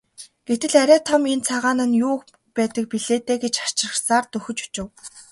Гэтэл арай том энэ цагаан нь юу байдаг билээ дээ гэж хачирхсаар дөхөж очив.